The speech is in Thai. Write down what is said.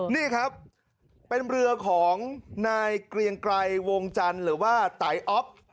นี่ครับเป็นเรือของนายเกรียงไกรวงจันทร์หรือว่าไตอ๊อฟ